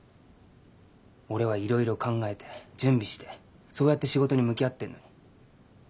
俺はいろいろ考えて準備してそうやって仕事に向き合ってんのに。